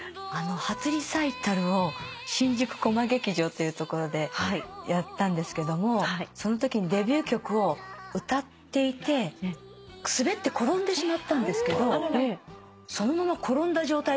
初リサイタルを新宿コマ劇場という所でやったんですけどもそのときにデビュー曲を歌っていて滑って転んでしまったんですけどそのまま転んだ状態で歌い続けたんです。